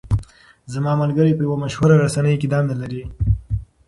زما ملګری په یوه مشهوره رسنۍ کې دنده لري.